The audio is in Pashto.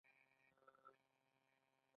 ایا مصنوعي ځیرکتیا د اقتصادي فشار سرچینه نه ګرځي؟